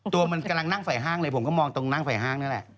ตัวมันกำลังนั่งฝ่ายห้างเลยผมก็มองตรงนั่งฝ่ายห้างนี่แหละ